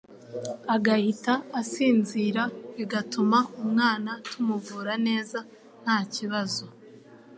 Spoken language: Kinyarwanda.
agahita asinzira bigatuma umwana tumuvura neza nta kibazo